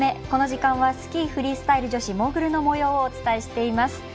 この時間はスキー・フリースタイル女子モーグルのもようをお伝えしています。